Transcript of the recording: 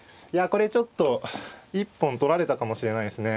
これちょっと一本取られたかもしれないですね。